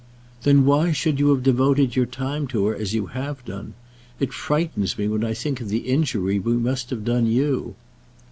"Then why should you have devoted your time to her as you have done? It frightens me when I think of the injury we must have done you."